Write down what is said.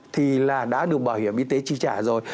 thì là đã được bảo hiểm y tế chi trả rồi